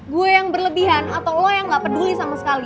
gue yang berlebihan atau lo yang gak peduli sama sekali